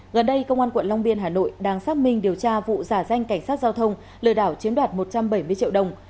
gần đây công an quận long biên hà nội đang xác minh điều tra vụ giả danh cảnh sát giao thông lừa đảo chiếm đoạt một trăm bảy mươi triệu đồng